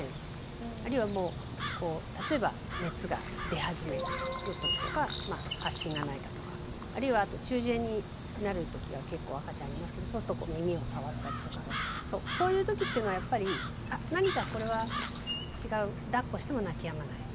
あるいはもう例えば熱が出始めのときとか発疹がないかとかあるいは中耳炎になるときが結構赤ちゃんありますけどそうすると耳を触ったりとかそういうときっていうのはやっぱり何かこれは違うだっこしても泣きやまない